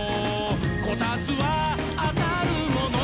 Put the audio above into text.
「こたつはあたるもの」